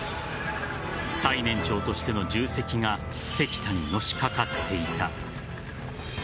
最年長としての重責が関田にのしかかっていた。